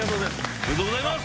おめでとうございます。